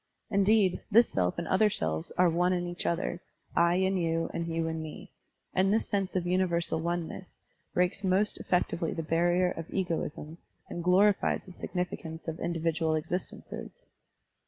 Indeed, this self and other selves are ope in each other, I in you and you in me; and f^his sense of universal oneness breaks most effectually the barrier of egoism and glorifies the signiftqince of individual existences.